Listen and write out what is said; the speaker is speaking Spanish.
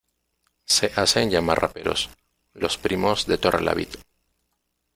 Se hacen llamar raperos, los primos de Torrelavit.